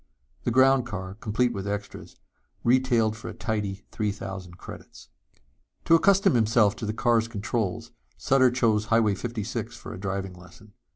The ground car, complete with extras, retailed for a tidy three thousand credits. To accustom himself to the car's controls Sutter chose Highway 56 for a driving lesson.